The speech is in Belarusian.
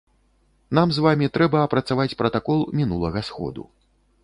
Нам з вамі трэба апрацаваць пратакол мінулага сходу.